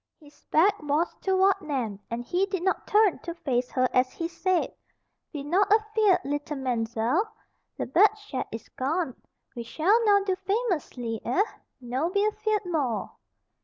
His back was toward Nan and he did not turn to face her as he said: "Be not afeared, leetle Man'zelle. Le bad chat is gone. We shall now do famous lee, eh? No be afeared more."